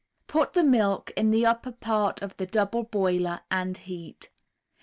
Put the milk in the upper part of the double boiler, and heat.